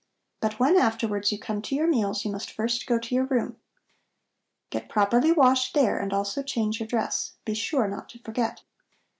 But when afterwards you come to your meals, you must first go to your room. Get properly washed there and also change your dress. Be sure not to forget."